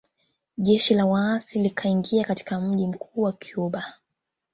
Jeshi la waasi likaingia katika mji mkuu wa Cuba